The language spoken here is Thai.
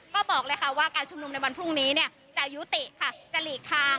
ก็บอกเลยค่ะว่าการชุมนุมในวันพรุ่งนี้เนี่ยจะยุติค่ะ